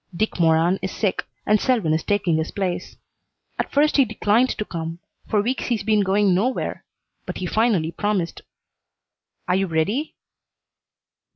Dick Moran is sick, and Selwyn is taking his place. At first he declined to come. For weeks he's been going nowhere, but he finally promised. Are you ready?"